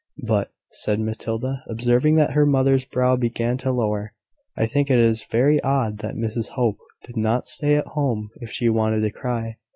"But," said Matilda, observing that her mother's brow began to lower, "I think it is very odd that Mrs Hope did not stay at home if she wanted to cry.